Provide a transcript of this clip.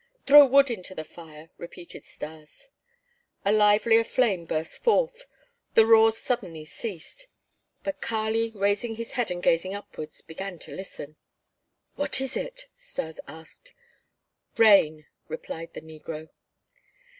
"Throw wood into the fire," repeated Stas. A livelier flame burst forth; the roars suddenly ceased. But Kali, raising his head and gazing upwards, began to listen. "What is it?" Stas asked. "Rain," replied the negro.